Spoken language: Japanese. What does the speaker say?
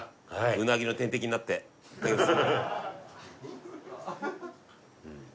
うなぎの天敵になっていただきます